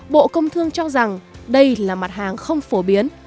bộ công thương cho rằng đây là mặt hàng không phổ biến